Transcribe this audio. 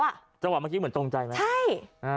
อยู่เป็นอยู่เมื่อเมื่อกี้เหมือนตรงใจไหม